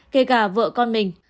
kể cả vợ con mình